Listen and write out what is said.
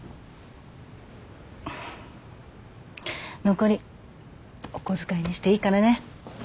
残りお小遣いにしていいからね。